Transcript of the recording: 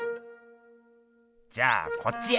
じゃあこっちへ。